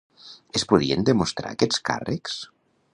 Es podien demostrar aquests càrrecs?